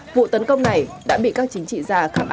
vụ tấn công này đã bị các chính trị già khắp ireland lên án